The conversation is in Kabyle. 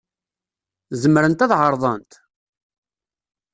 Zemrent ad ɛerḍent?